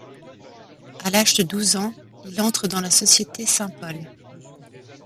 À l’âge de douze ans, il entre dans la Société Saint-Paul.